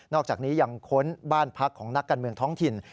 อกจากนี้ยังค้นบ้านพักของนักการเมืองท้องถิ่น